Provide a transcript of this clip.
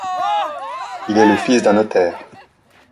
Il est le fils d'un notaire.